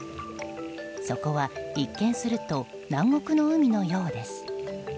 そこは、一見すると南国の海のようです。